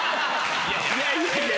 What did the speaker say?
いやいやいや！